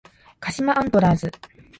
鹿島アントラーズ